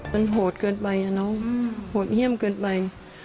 มันโหดเกินไปโหดเยี่ยมเกินไป